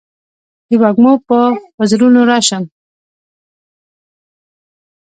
د وږمو په وزرونو راشم